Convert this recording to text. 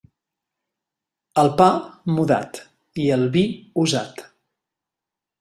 El pa, mudat, i el vi, usat.